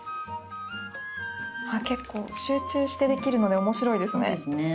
結構集中してできるので面白いですね。